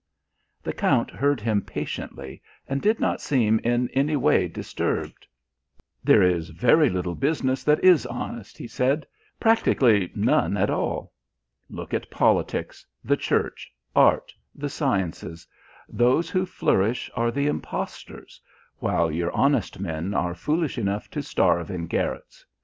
The Count heard him patiently, but did not seem in any way disturbed. "There is very little business that is honest," he said; "practically none at all. Look at politics, the Church, art, the sciences those who flourish are the imposters, while your honest men are foolish enough to starve in garrets.